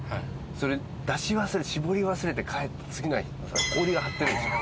それ出し忘れて絞り忘れて帰って次の日の朝氷が張ってるんですよ。